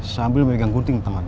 sambil memegang gunting tangannya